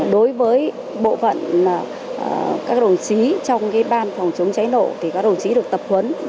đối với bộ phận các đồng chí trong ban phòng chống cháy nổ thì các đồng chí được tập huấn